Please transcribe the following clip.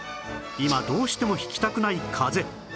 今どうしてもひきたくないかぜ